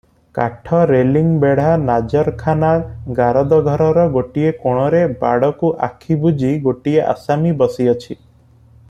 କାଠ ରେଲିଂ ବେଢ଼ା ନାଜରଖାନା ଗାରଦଘରର ଗୋଟିଏ କୋଣରେ ବାଡ଼କୁ ଆଖି ବୁଜି ଗୋଟିଏ ଆସାମୀ ବସିଅଛି ।